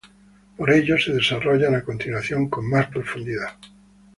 Por ello se desarrollan a continuación con más profundidad.